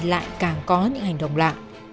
lại càng có những hành động lạ